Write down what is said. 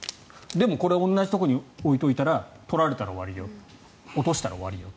でもこれ、同じところに置いていたら取られたら終わりよ落としたら終わりよ。